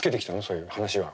そういう話は。